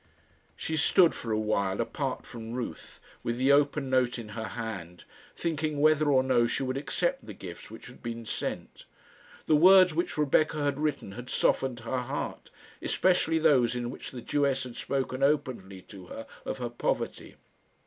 She stood for a while apart from Ruth, with the open note in her hand, thinking whether or no she would accept the gifts which had been sent. The words which Rebecca had written had softened her heart, especially those in which the Jewess had spoken openly to her of her poverty.